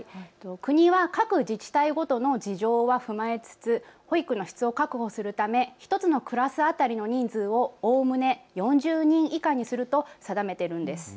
国は各自治体ごとの事情は踏まえつつ保育の質を確保するため１つのクラス当たりの人数をおおむね４０人以下にすると定めているんです。